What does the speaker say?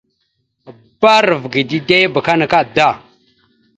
« Bba arav ge dide ya abakana akada! ».